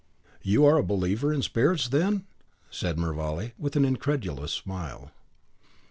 "You are a believer in spirits, then?" said Mervale, with an incredulous smile.